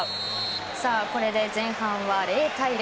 さあ、これで前半は０対０。